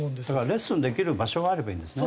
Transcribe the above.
レッスンできる場所があればいいんですね。